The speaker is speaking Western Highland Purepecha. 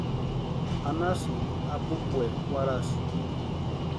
Anhasïnti apupueri warhasï.